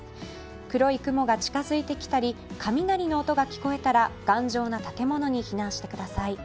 黒い雲が近づいてきたり雷の音が聞こえたら頑丈な建物に避難してください。